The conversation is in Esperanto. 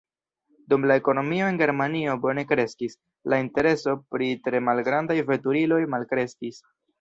Dum la ekonomio en Germanio bone kreskis, la intereso pri tre malgrandaj veturiloj malkreskis.